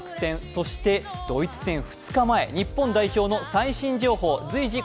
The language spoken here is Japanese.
そしてドイツ戦２日前日本代表の最新情報、随時